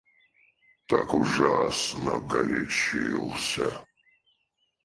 Так ужасно горячился?